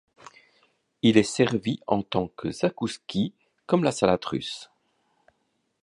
Il est servi en tant que zakouski, comme la salade russe.